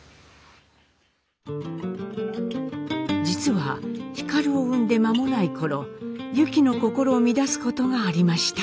実は皓を産んで間もない頃ユキの心を乱すことがありました。